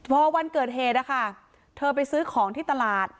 พอวันเกิดเหตุนะคะเธอไปซื้อของที่ตลาด